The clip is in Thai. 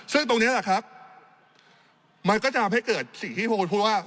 ซึ่งตรงนี้แหละครับมันก็จะทำให้เกิดสิ่งที่พวกคุณพูดว่า